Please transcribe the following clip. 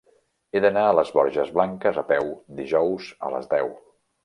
He d'anar a les Borges Blanques a peu dijous a les deu.